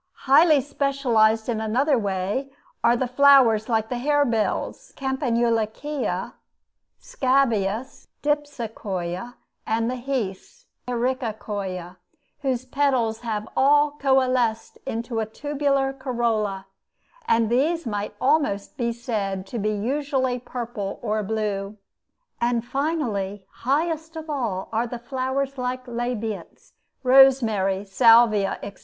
Highly specialized in another way are the flowers like harebells (Campanulaceoe), scabious (Dipsaceoe), and heaths (Ericaceoe), whose petals have all coalesced into a tubular corolla; and these might almost be said to be usually purple or blue. And finally, highest of all are the flowers like labiates (rosemary, Salvia, etc.)